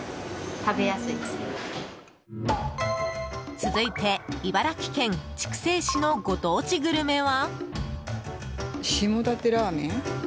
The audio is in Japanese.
続いて茨城県筑西市のご当地グルメは？